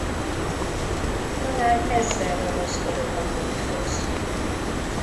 Talán ezzel ragaszkodok a múlthoz.